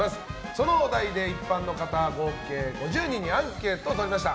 そのお題で一般の方合計５０人にアンケートを取りました。